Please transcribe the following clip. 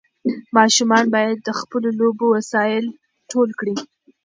ماشومان باید د خپلو لوبو وسایل ټول کړي.